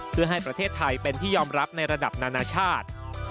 เพื่อให้ประเทศไทยเป็นที่ยอมรับในระดับนานาชาติ